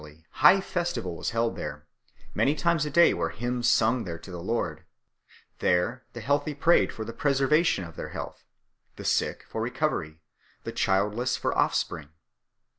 Ecclesiastical Ceremonies and Art. 403 high festival was held there, many times a day were hymns sung there to their Lord. There the healthy prayed for the preservation of their health, the sick for recovery, the childless for offspring.